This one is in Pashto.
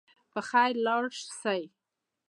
په خیر ولاړ سئ.